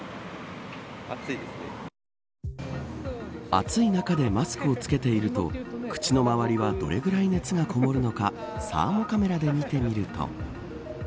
暑い中でマスクを着けていると口の周りはどれぐらい熱がこもるのかサーモカメラで見てみると。